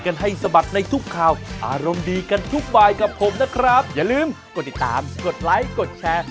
คุณครูกับนักเรียนเขาย่อกันแบบนี้แหละครับ